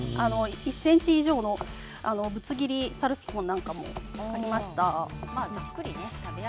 １ｃｍ以上のぶつ切りのサルピコンなんかもありましたけどね。